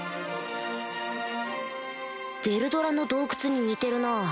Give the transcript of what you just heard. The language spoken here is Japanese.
ヴェルドラの洞窟に似てるな